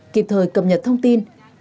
kịp thời cập nhật thông tin